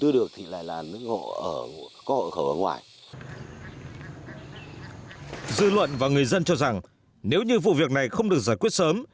dư luận và người dân cho rằng nếu như vụ việc này không được giải quyết sớm